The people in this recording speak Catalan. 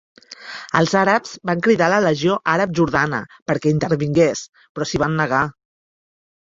Els àrabs van cridar la Legió Àrab-Jordana perquè intervingués però s'hi van negar.